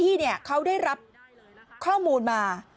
คือเจ้าหน้าที่เขาได้รับข้อมูลมา